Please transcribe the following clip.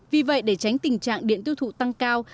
vì vậy để tránh tình trạng điện tiêu thụ tăng cao